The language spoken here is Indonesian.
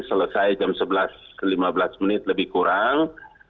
selesai jam sebelas lima belas menit lebih kurang